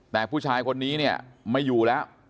แต่ผู้ชายคนนี้เนี่ยไม่อยู่แล้ว